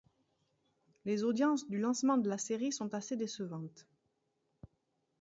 Les audiences du lancement de la série sont assez décevantes.